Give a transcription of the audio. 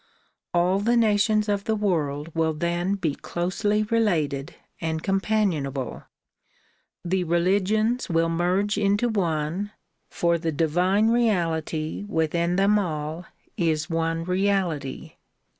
All the nations of the world will then be closely related and companionable, the religions will merge into one, for the divine reality within them all is one reality.